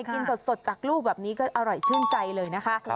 กินสดจากลูกแบบนี้ก็อร่อยชื่นใจเลยนะคะ